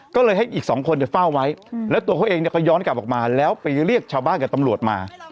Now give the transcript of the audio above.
ก็เลยให้อีกสองคนเฝ้าไว้แล้วตัวเขาเองเนี่ยเขาย้อนกลับออกมาแล้วไปเรียกชาวบ้านกับตำรวจมา